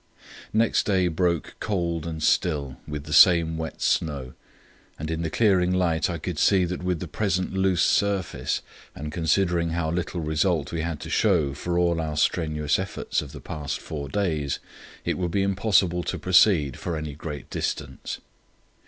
Next day broke cold and still with the same wet snow, and in the clearing light I could see that with the present loose surface, and considering how little result we had to show for all our strenuous efforts of the past four days, it would be impossible to proceed for any great distance.